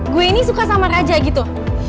gue ini suka sama raja gitu